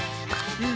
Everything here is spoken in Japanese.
うん！